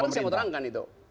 itu yang saya mau terangkan